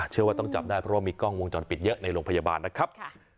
เชื่อว่าต้องจับได้เพราะว่ามีกล้องวงจรปิดเยอะในโรงพยาบาลนะครับ